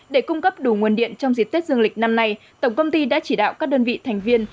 để cung cấp đủ nguồn điện trong dịp tết dương lịch năm nay tổng công ty đã chỉ đạo các đơn vị thành viên